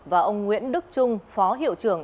và ông nguyễn đức trung phó hiệu trưởng